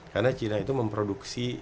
karena china itu memproduksi